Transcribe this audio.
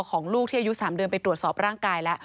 ก็นับ๓เดือนไปตรวจสอบร่างกายแล้ว